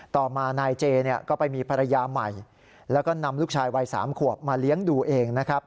ต่อมานายเจเนี่ยก็ไปมีภรรยาใหม่แล้วก็นำลูกชายวัย๓ขวบมาเลี้ยงดูเองนะครับ